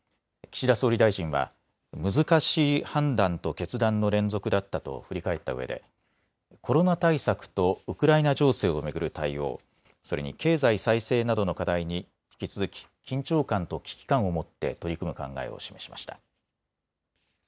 岸田総理大臣は難しい判断と決断の連続だったと振り返ったうえでコロナ対策とウクライナ情勢を巡る対応、それに経済再生などの課題に引き続き緊張感と危機感を持って取り組む考えを示しました。